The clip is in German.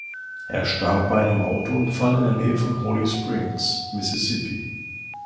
Er starb bei einem Autounfall in der Nähe von Holly Springs, Mississippi.